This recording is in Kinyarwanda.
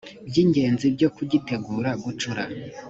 by ingenzi byo kugitegura gucura